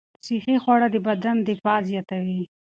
صحي خواړه د بدن دفاع زیاتوي.